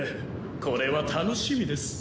これは楽しみです。